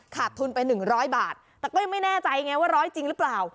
ขาดทุนไป๑๐๐บาทแต่ก็ยังไม่แน่ใจไงว่าร้อยจริงหรือเปล่า